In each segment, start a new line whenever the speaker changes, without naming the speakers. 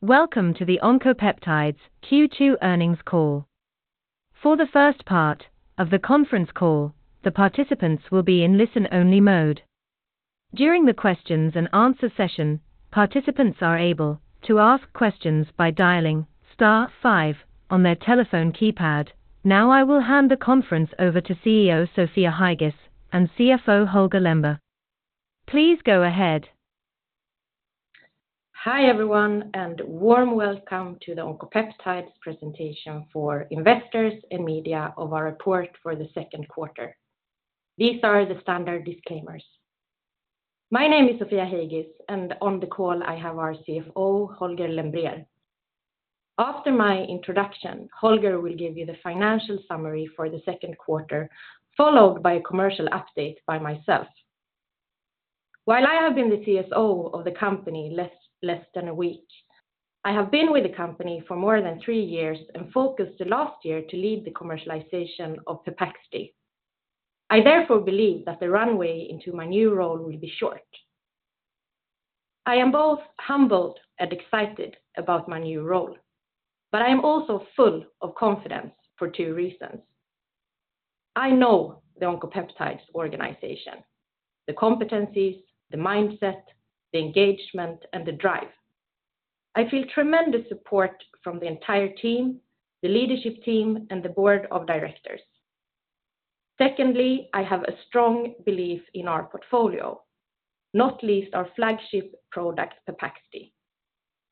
Welcome to the Oncopeptides Q2 earnings call. For the first part of the conference call, the participants will be in listen-only mode. During the questions and answer session, participants are able to ask questions by dialing star five on their telephone keypad. Now, I will hand the conference over to CEO, Sofia Heigis, and CFO, Holger Lembrér. Please go ahead.
Hi, everyone, warm welcome to the Oncopeptides presentation for investors and media of our report for the second quarter. These are the standard disclaimers. My name is Sofia Heigis, and on the call, I have our CFO, Holger Lembrér. After my introduction, Holger will give you the financial summary for the second quarter, followed by a commercial update by myself. While I have been the CSO of the company less than a week, I have been with the company for more than 3 years and focused the last year to lead the commercialization of Pepaxto. I therefore believe that the runway into my new role will be short. I am both humbled and excited about my new role, but I am also full of confidence for 2 reasons. I know the Oncopeptides organization, the competencies, the mindset, the engagement, and the drive. I feel tremendous support from the entire team, the leadership team, and the board of directors. Secondly, I have a strong belief in our portfolio, not least our flagship product, Pepaxto.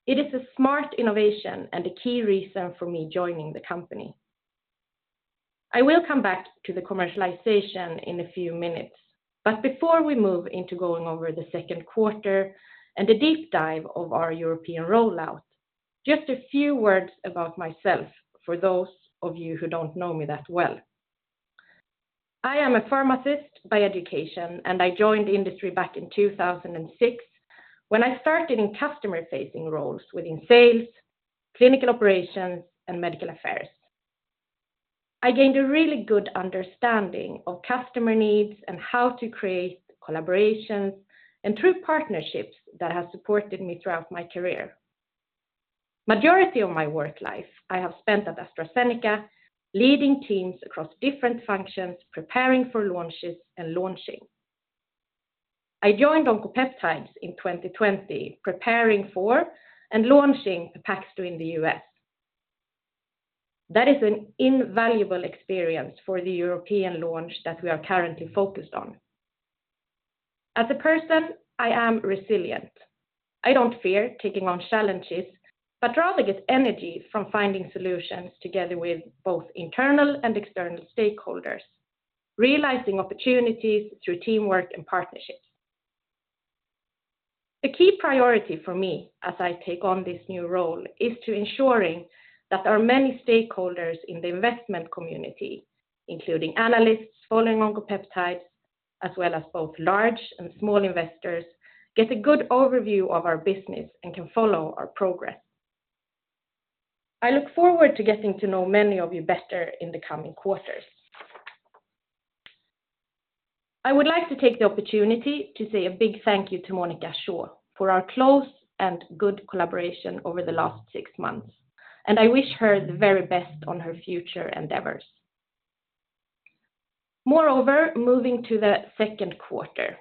It is a smart innovation and a key reason for me joining the company. I will come back to the commercialization in a few minutes, but before we move into going over the second quarter and a deep dive of our European rollout, just a few words about myself, for those of you who don't know me that well. I am a pharmacist by education, and I joined the industry back in 2006, when I started in customer-facing roles within sales, clinical operations, and medical affairs. I gained a really good understanding of customer needs and how to create collaborations and true partnerships that have supported me throughout my career. Majority of my work life, I have spent at AstraZeneca, leading teams across different functions, preparing for launches and launching. I joined Oncopeptides in 2020, preparing for and launching Pepaxto in the U.S. That is an invaluable experience for the European launch that we are currently focused on. As a person, I am resilient. I don't fear taking on challenges, but rather get energy from finding solutions together with both internal and external stakeholders, realizing opportunities through teamwork and partnerships. The key priority for me as I take on this new role is to ensuring that our many stakeholders in the investment community, including analysts following Oncopeptides, as well as both large and small investors, get a good overview of our business and can follow our progress. I look forward to getting to know many of you better in the coming quarters. I would like to take the opportunity to say a big thank you to Monica Shaw for our close and good collaboration over the last six months, and I wish her the very best on her future endeavors. Moving to the second quarter,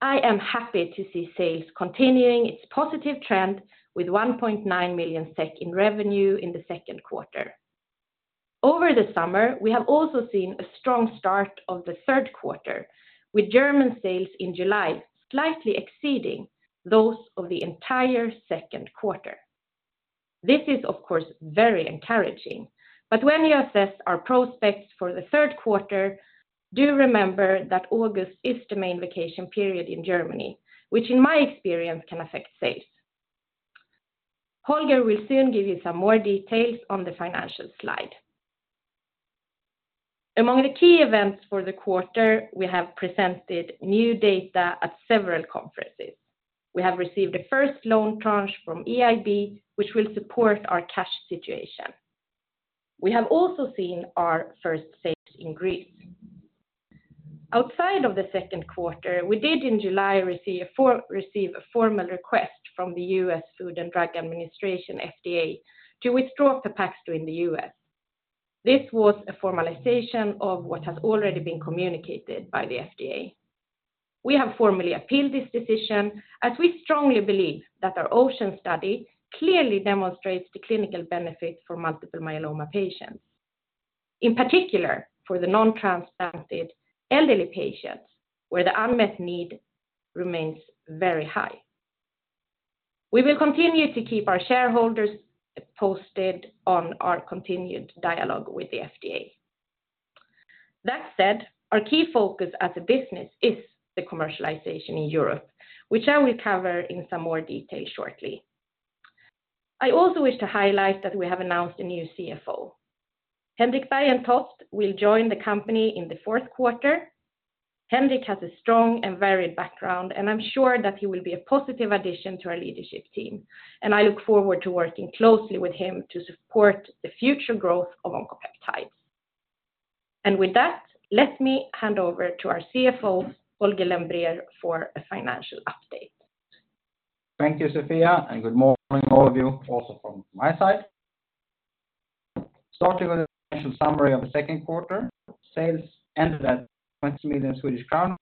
I am happy to see sales continuing its positive trend with 1.9 million SEK in revenue in the second quarter. Over the summer, we have also seen a strong start of the third quarter, with German sales in July slightly exceeding those of the entire second quarter. This is, of course, very encouraging, but when you assess our prospects for the third quarter, do remember that August is the main vacation period in Germany, which, in my experience, can affect sales. Holger will soon give you some more details on the financial slide. Among the key events for the quarter, we have presented new data at several conferences. We have received the first loan tranche from EIB, which will support our cash situation. We have also seen our first sale in Greece. Outside of the second quarter, we did in July, receive a formal request from the U.S. Food and Drug Administration, FDA, to withdraw Pepaxto in the U.S. This was a formalization of what has already been communicated by the FDA. We have formally appealed this decision, as we strongly believe that our OCEAN study clearly demonstrates the clinical benefits for multiple myeloma patients, in particular for the non-transplanted elderly patients, where the unmet need remains very high. We will continue to keep our shareholders posted on our continued dialogue with the FDA. That said, our key focus as a business is the commercialization in Europe, which I will cover in some more detail shortly. I also wish to highlight that we have announced a new CFO. Henrik Bergentoft will join the company in the fourth quarter. Henrik has a strong and varied background, and I'm sure that he will be a positive addition to our leadership team, and I look forward to working closely with him to support the future growth of Oncopeptides. With that, let me hand over to our CFO, Holger Lembrér, for a financial update.
Thank you, Sofia, and good morning, all of you, also from my side. Starting with a financial summary of the second quarter, sales ended at 20 million Swedish crown,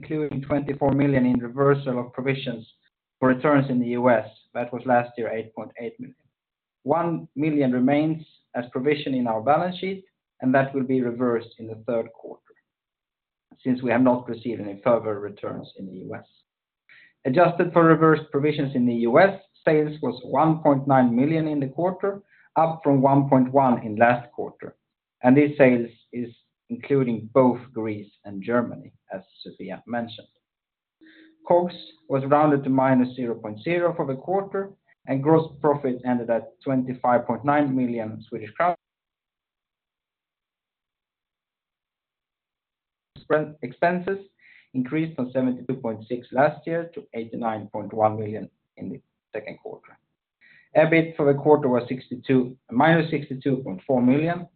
including 24 million in reversal of provisions for returns in the U.S. That was last year, 8.8 million. 1 million remains as provision in our balance sheet, and that will be reversed in the third quarter, since we have not received any further returns in the U.S. Adjusted for reverse provisions in the U.S., sales was 1.9 million in the quarter, up from 1.1 million in last quarter. This sales is including both Greece and Germany, as Sofia mentioned. COGS was rounded to -0.0 for the quarter, and gross profit ended at 25.9 million Swedish crowns. Expenses increased from 72.6 last year to 89.1 million in the second quarter. EBIT for the quarter was minus 62.4 million,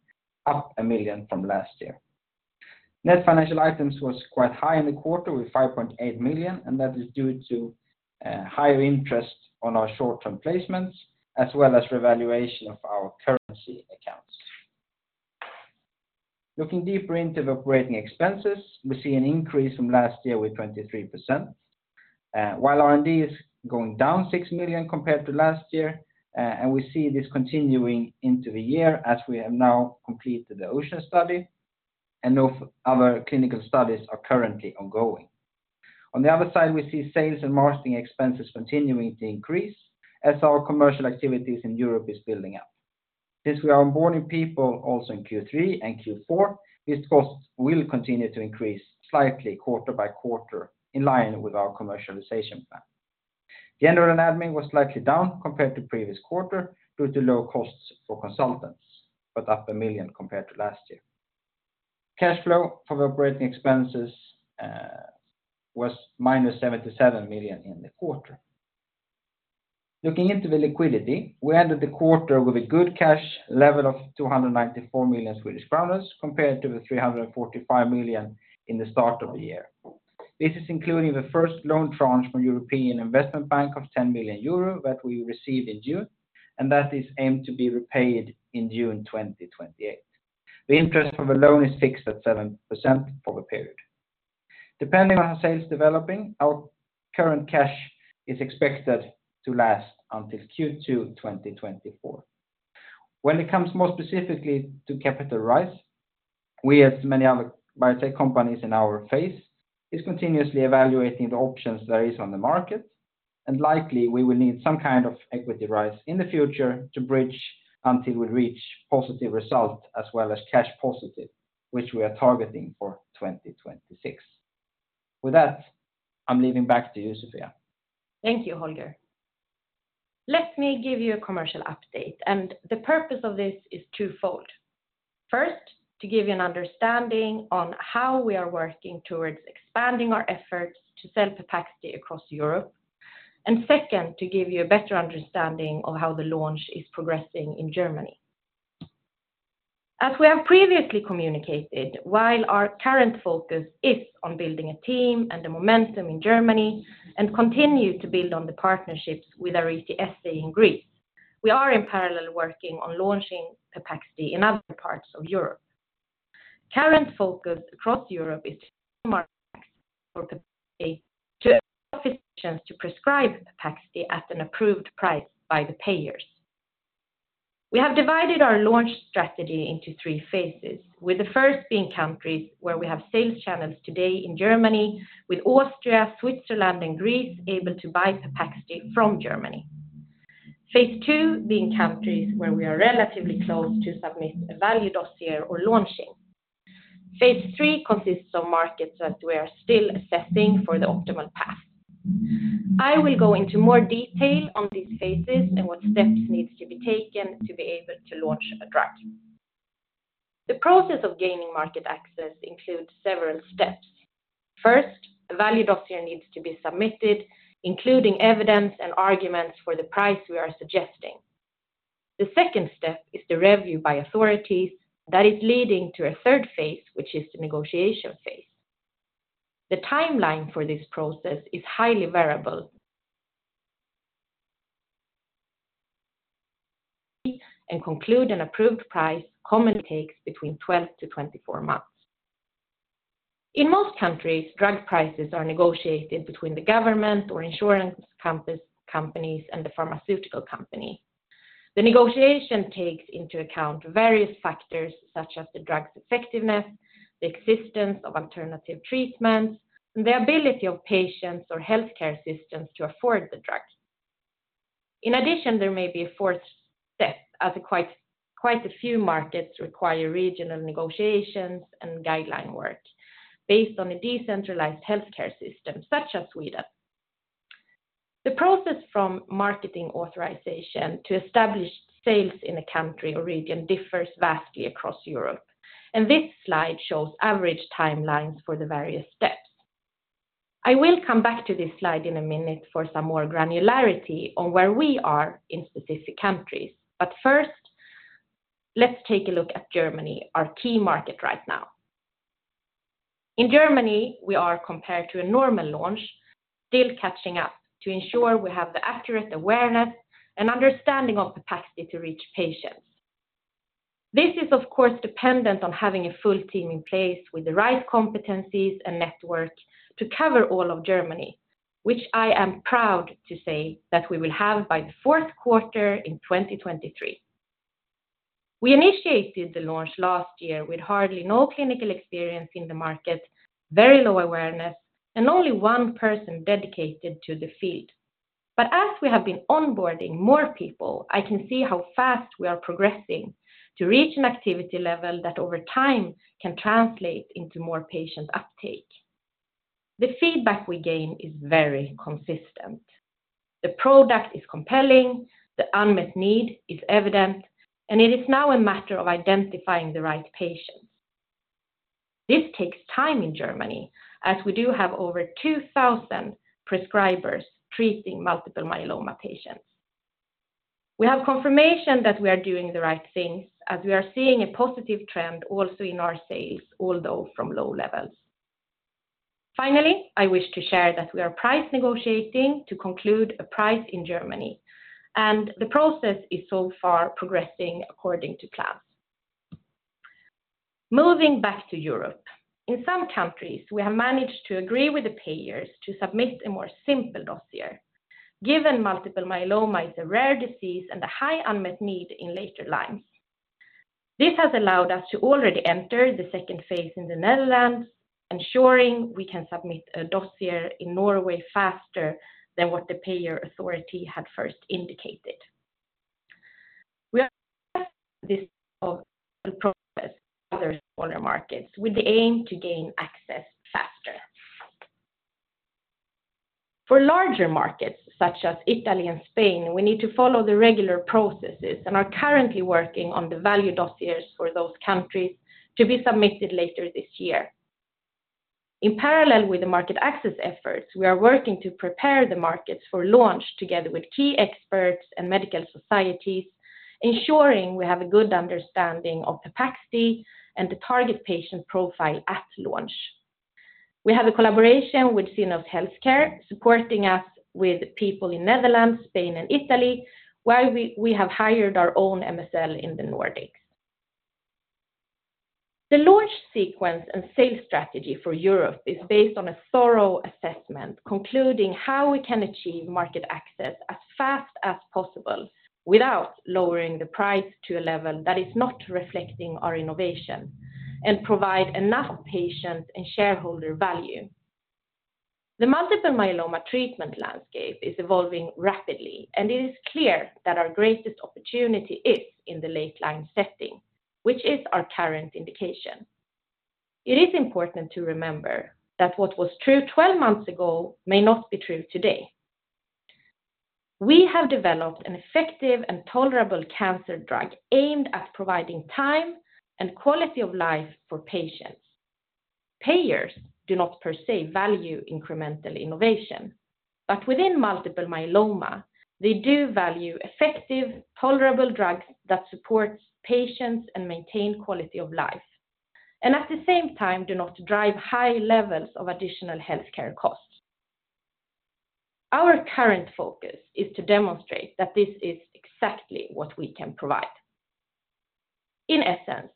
up 1 million from last year. Net financial items was quite high in the quarter with 5.8 million, and that is due to higher interest on our short-term placements, as well as revaluation of our currency accounts. Looking deeper into the operating expenses, we see an increase from last year with 23%, while R&D is going down 6 million compared to last year, and we see this continuing into the year as we have now completed the OCEAN study, and no other clinical studies are currently ongoing. On the other side, we see sales and marketing expenses continuing to increase as our commercial activities in Europe is building up. Since we are onboarding people also in Q3 and Q4, these costs will continue to increase slightly quarter by quarter, in line with our commercialization plan. General and admin was slightly down compared to previous quarter due to low costs for consultants, but up 1 million compared to last year. Cash flow from operating expenses was minus 77 million in the quarter. Looking into the liquidity, we ended the quarter with a good cash level of 294 million Swedish kronor, compared to the 345 million in the start of the year. This is including the first loan tranche from European Investment Bank of 10 billion euro that we received in June, and that is aimed to be repaid in June 2028. The interest for the loan is fixed at 7% for the period. Depending on our sales developing, our current cash is expected to last until Q2 2024. When it comes more specifically to capital rise, we, as many other biotech companies in our phase, is continuously evaluating the options there is on the market, and likely we will need some kind of equity rise in the future to bridge until we reach positive result, as well as cash positive, which we are targeting for 2026. With that, I'm leaving back to you, Sofia.
Thank you, Holger. The purpose of this is twofold. First, to give you an understanding on how we are working towards expanding our efforts to sell Pepaxti across Europe. Second, to give you a better understanding of how the launch is progressing in Germany. As we have previously communicated, while our current focus is on building a team and the momentum in Germany and continue to build on the partnerships with Ariti S.A. in Greece, we are in parallel working on launching Pepaxti in other parts of Europe. Current focus across Europe is to market access for Pepaxti to prescribe Pepaxti at an approved price by the payers. We have divided our launch strategy into three phases, with the first being countries where we have sales channels today in Germany, with Austria, Switzerland, and Greece able to buy Pepaxti from Germany. Phase two being countries where we are relatively close to submit a value dossier or launching. Phase three consists of markets that we are still assessing for the optimal path. I will go into more detail on these phases and what steps needs to be taken to be able to launch a drug. The process of gaining market access includes several steps. First, a value dossier needs to be submitted, including evidence and arguments for the price we are suggesting. The second step is the review by authorities that is leading to a third phase, which is the negotiation phase. The timeline for this process is highly variable, and conclude an approved price commonly takes between 12-24 months. In most countries, drug prices are negotiated between the government or insurance companies, companies, and the pharmaceutical company. The negotiation takes into account various factors, such as the drug's effectiveness, the existence of alternative treatments, and the ability of patients or healthcare systems to afford the drugs. In addition, there may be a fourth step, as quite, quite a few markets require regional negotiations and guideline work based on a decentralized healthcare system, such as Sweden. The process from marketing authorization to established sales in a country or region differs vastly across Europe, and this slide shows average timelines for the various steps. I will come back to this slide in a minute for some more granularity on where we are in specific countries. First, let's take a look at Germany, our key market right now. In Germany, we are compared to a normal launch, still catching up to ensure we have the accurate awareness and understanding of capacity to reach patients. This is, of course, dependent on having a full team in place with the right competencies and network to cover all of Germany, which I am proud to say that we will have by the fourth quarter 2023. We initiated the launch last year with hardly no clinical experience in the market, very low awareness, and only one person dedicated to the field. As we have been onboarding more people, I can see how fast we are progressing to reach an activity level that over time can translate into more patient uptake. The feedback we gain is very consistent. The product is compelling, the unmet need is evident, and it is now a matter of identifying the right patients. This takes time in Germany, as we do have over 2,000 prescribers treating multiple myeloma patients. We have confirmation that we are doing the right things as we are seeing a positive trend also in our sales, although from low levels. Finally, I wish to share that we are price negotiating to conclude a price in Germany. The process is so far progressing according to plan. Moving back to Europe, in some countries, we have managed to agree with the payers to submit a more simple dossier, given multiple myeloma is a rare disease and a high unmet need in later lines. This has allowed us to already enter the second phase in the Netherlands, ensuring we can submit a dossier in Norway faster than what the payer authority had first indicated. We are this of process other smaller markets with the aim to gain access faster. For larger markets such as Italy and Spain, we need to follow the regular processes and are currently working on the value dossiers for those countries to be submitted later this year. In parallel with the market access efforts, we are working to prepare the markets for launch together with key experts and medical societies, ensuring we have a good understanding of capacity and the target patient profile at launch. We have a collaboration with Xenios Healthcare, supporting us with people in Netherlands, Spain, and Italy, while we have hired our own MSL in the Nordics. The launch sequence and sales strategy for Europe is based on a thorough assessment, concluding how we can achieve market access as fast as possible without lowering the price to a level that is not reflecting our innovation and provide enough patient and shareholder value. The multiple myeloma treatment landscape is evolving rapidly, and it is clear that our greatest opportunity is in the late-line setting, which is our current indication. It is important to remember that what was true 12 months ago may not be true today. We have developed an effective and tolerable cancer drug aimed at providing time and quality of life for patients. Payers do not per se value incremental innovation, but within multiple myeloma, they do value effective, tolerable drugs that supports patients and maintain quality of life, and at the same time, do not drive high levels of additional healthcare costs. Our current focus is to demonstrate that this is exactly what we can provide. In essence,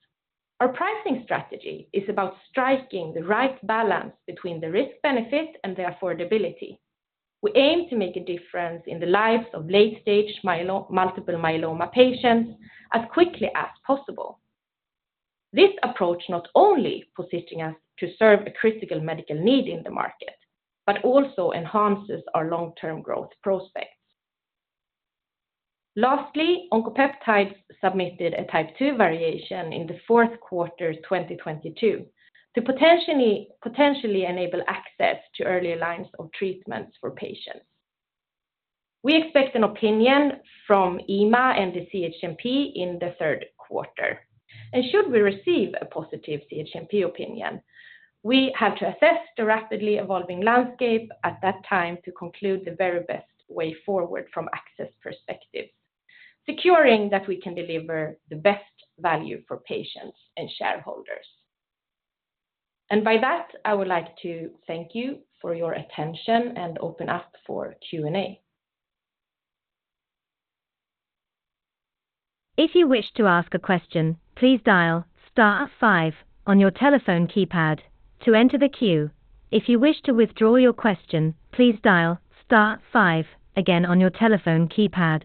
our pricing strategy is about striking the right balance between the risk-benefit and the affordability. We aim to make a difference in the lives of late-stage multiple myeloma patients as quickly as possible. This approach not only positioning us to serve a critical medical need in the market, but also enhances our long-term growth prospects. Lastly, Oncopeptides submitted a Type II variation in the fourth quarter, 2022, to potentially enable access to early lines of treatments for patients. We expect an opinion from EMA and the CHMP in the third quarter. Should we receive a positive CHMP opinion, we have to assess the rapidly evolving landscape at that time to conclude the very best way forward from access perspective, securing that we can deliver the best value for patients and shareholders. By that, I would like to thank you for your attention and open up for Q&A.
If you wish to ask a question, please dial star five on your telephone keypad to enter the queue. If you wish to withdraw your question, please dial star five again on your telephone keypad.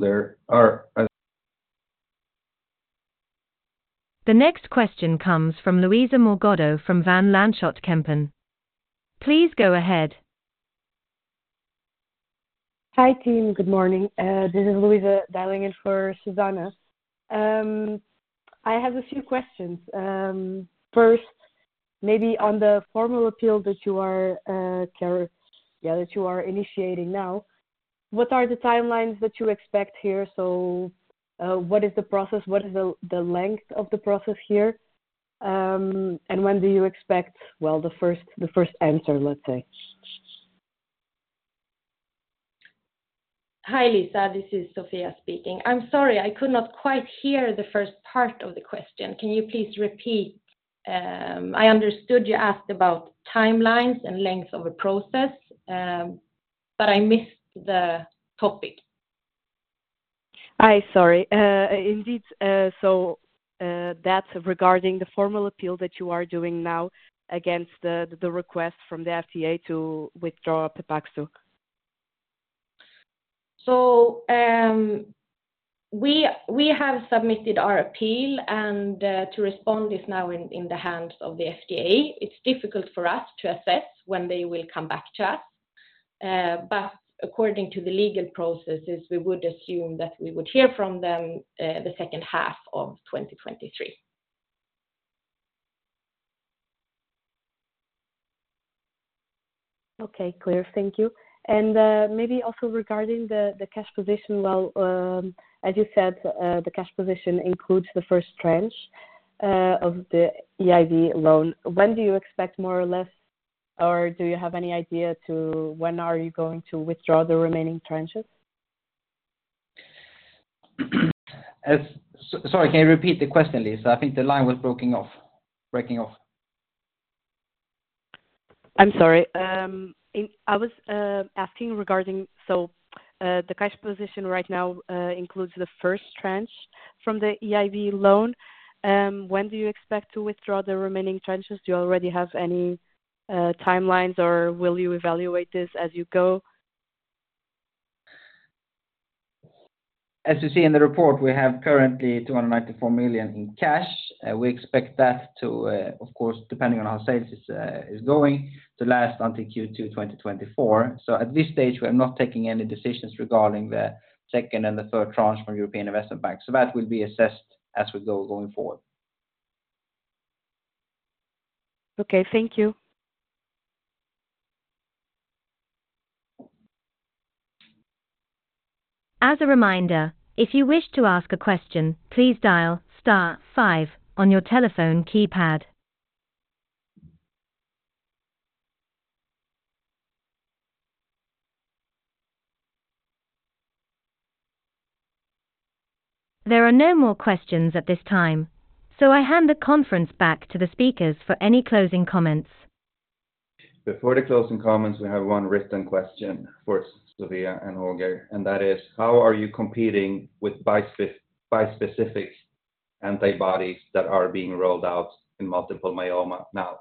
There are.
The next question comes from Luisa Morgado, from Van Lanschot Kempen. Please go ahead.
Hi, team. Good morning. This is Luisa, dialing in for Susanna. I have a few questions. Maybe on the formal appeal that you are initiating now, what are the timelines that you expect here? What is the process? What is the length of the process here, and when do you expect the first answer, let's say?
Hi, Luisa, this is Sofia speaking. I'm sorry, I could not quite hear the first part of the question. Can you please repeat? I understood you asked about timelines and length of a process, but I missed the topic.
Hi, sorry. Indeed, so, that's regarding the formal appeal that you are doing now against the, the request from the FDA to withdraw Pepaxto.
We, we have submitted our appeal, and to respond is now in, in the hands of the FDA. It's difficult for us to assess when they will come back to us, but according to the legal processes, we would assume that we would hear from them the second half of 2023.
Okay, clear. Thank you. Maybe also regarding the cash position, well, as you said, the cash position includes the first tranche of the EIB loan. When do you expect more or less, or do you have any idea to when are you going to withdraw the remaining tranches?
Sorry, can you repeat the question, Luisa? I think the line was breaking off, breaking off.
I'm sorry. I was asking regarding, so, the cash position right now, includes the first tranche from the EIB loan. When do you expect to withdraw the remaining tranches? Do you already have any timelines, or will you evaluate this as you go?
As you see in the report, we have currently 294 million in cash. We expect that to, of course, depending on how sales is going, to last until Q2 2024. At this stage, we are not taking any decisions regarding the second and the third tranche from European Investment Bank, that will be assessed as we go going forward.
Okay, thank you.
As a reminder, if you wish to ask a question, please dial star five on your telephone keypad. There are no more questions at this time, so I hand the conference back to the speakers for any closing comments.
Before the closing comments, we have one written question for Sofia and Holger, that is: how are you competing with bispecific antibodies that are being rolled out in multiple myeloma now?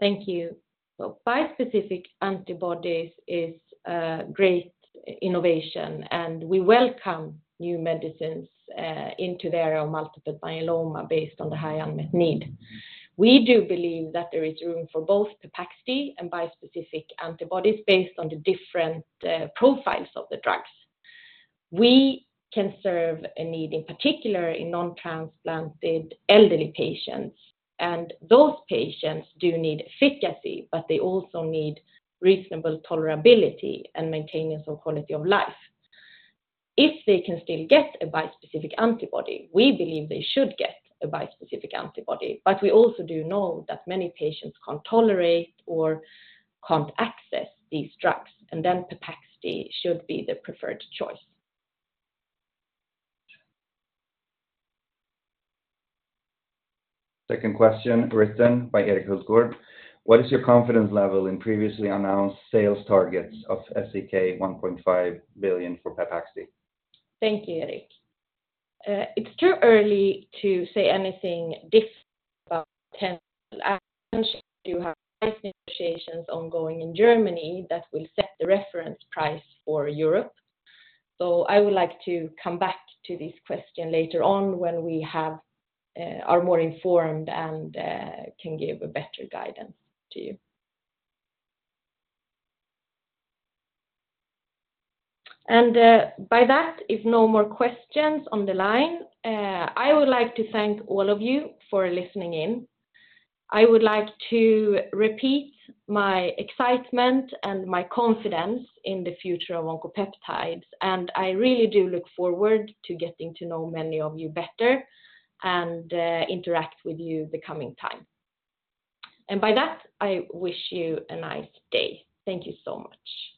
Thank you. Bispecific antibodies is a great innovation, and we welcome new medicines into the area of multiple myeloma based on the high unmet need. We do believe that there is room for both Pepaxti and bispecific antibodies based on the different profiles of the drugs. We can serve a need, in particular in non-transplanted elderly patients, and those patients do need efficacy, but they also need reasonable tolerability and maintenance of quality of life. If they can still get a bispecific antibody, we believe they should get a bispecific antibody, but we also do know that many patients can't tolerate or can't access these drugs, and then Pepaxti should be the preferred choice.
Second question, written by Erik Hultgård: What is your confidence level in previously announced sales targets of SEK 1.5 billion for Pepaxti?
Thank you, Erik. It's too early to say anything We do have price negotiations ongoing in Germany that will set the reference price for Europe. I would like to come back to this question later on when we have are more informed and can give a better guidance to you. By that, if no more questions on the line, I would like to thank all of you for listening in. I would like to repeat my excitement and my confidence in the future of Oncopeptides, and I really do look forward to getting to know many of you better and interact with you the coming time. By that, I wish you a nice day. Thank you so much.